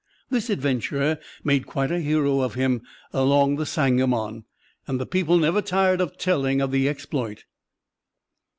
This adventure made quite a hero of him along the Sangamon, and the people never tired of telling of the exploit."